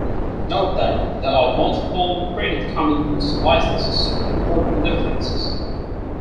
Note that there are multiple Creative Commons licenses with important differences.